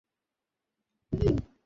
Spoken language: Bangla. এটাকে অনলাইনে আনতে কত সময় লাগবে?